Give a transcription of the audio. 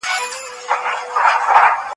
ملا ډېر ستړی و او سمدستي پرېوت.